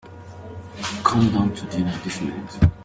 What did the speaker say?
Come down to dinner this minute.